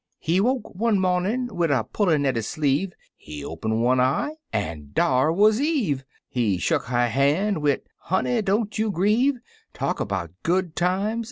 He woke one mornin' wid a pullin' at his sleeve; He open one eye, an' dar wuz Eve; He shuck her han', wid "Honey, don't you grieve!" Talk 'bout good times!